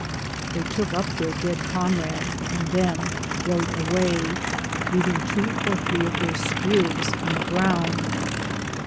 They took up thar dead comrade and then rode away, leaving two or three of their spears on the ground.